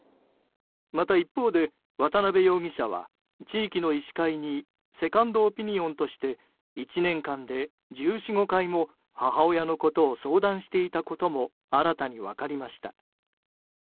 また、一方で渡邊容疑者は地域の医師会にセカンドオピニオンとして１年間で１４１５回も母親のことを相談していたことも新たに分かりました。